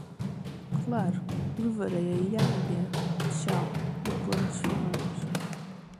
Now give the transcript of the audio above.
Claro, levarei aí amanhã. Tchau, depois nos falamos.